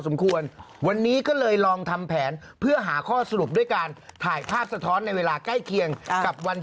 อืมอืมอืมอืมอืม